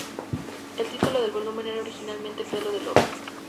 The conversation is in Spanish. El título del volumen era originalmente "Pelo de lobo".